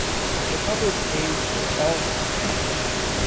The public pays for all mismanagement.